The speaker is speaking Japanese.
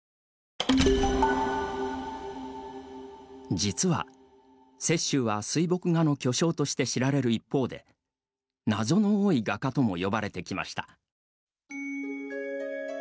実は、雪舟は水墨画の巨匠として知られる一方で謎の多い画家とも呼ばれてきました。